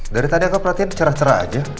dari tadi aku perhatian cerah cerah aja